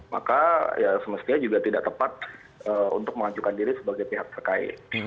maka ya semestinya juga tidak tepat untuk mengajukan diri sebagai pihak terkait